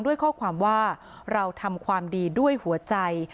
ด้วยข้อความว่าเราทำความดีด้วยหัวใจ